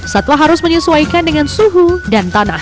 satwa harus menyesuaikan dengan suhu dan tanah